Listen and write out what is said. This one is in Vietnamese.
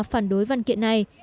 phản đối văn kiện này